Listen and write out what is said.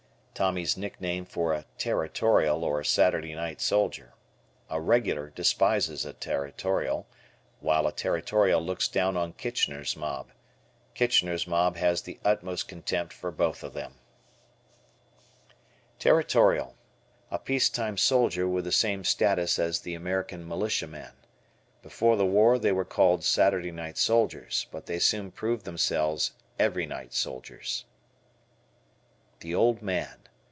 Tommy's nickname for a Territorial or "Saturday night soldier." A regular despises a Territorial while a Territorial looks down on "Kitchener's Mob." Kitchener's Mob has the utmost contempt for both of them. Territorial. A peace time soldier with the same status as the American militiaman. Before the war they were called "Saturday Night Soldiers," but they soon proved themselves "every night soldiers." "The Old Man."